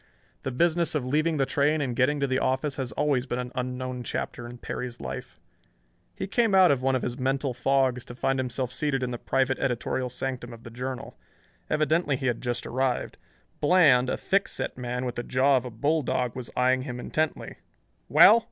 The business of leaving the train and getting to the office has always been an unknown chapter in Perry's life. He came out of one of his mental fogs to find himself seated in the private editorial sanctum of the Journal. Evidently he had just arrived. Bland, a thick set man with the jaw of a bulldog, was eyeing him intently. "Well!